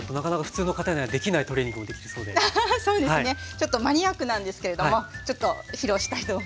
ちょっとマニアックなんですけれどもちょっと披露したいと思います。